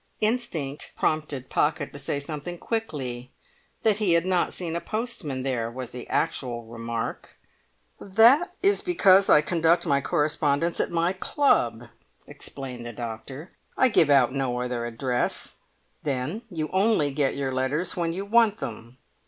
Instinct prompted Pocket to say something quickly; that he had not seen a postman there, was the actual remark. "That is because I conduct my correspondence at my club," explained the doctor. "I give out no other address; then you only get your letters when you want them."